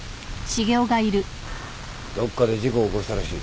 どっかで事故起こしたらしい。